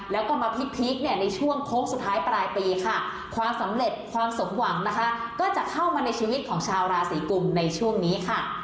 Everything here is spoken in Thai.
แล้วก็มาพลิกเนี่ยในช่วงโค้งสุดท้ายปลายปีค่ะความสำเร็จความสมหวังนะคะก็จะเข้ามาในชีวิตของชาวราศีกุมในช่วงนี้ค่ะ